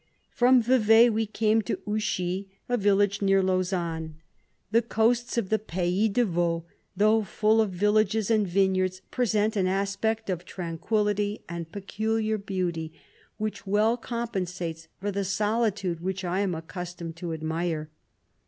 From Vevai we came to Ouchy, a village near Lausanne. The coasts of 136 the Pays de Vaud, though full of vil lages and vineyards, present an aspect of tranquillity and peculiar beauty which well compensates for the soli tude which I am accustomed to admire.